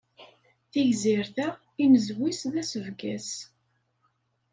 Tigzirt-a inezwi-s d asebgas.